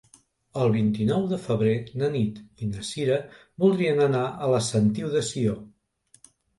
El vint-i-nou de febrer na Nit i na Cira voldrien anar a la Sentiu de Sió.